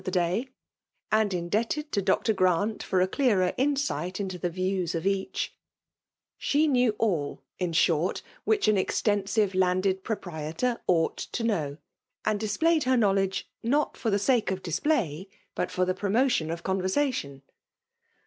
of r thd day^ and indebted to Dr. Grant ft^ a cleafer innght into the views of each; sbe*, knew all^ in shorty which aa extensile lan^^d proprietor ooght to know ;. and displayed her knowledge^ not for the sake of displayj bat for ^ tbe promotion of conversation.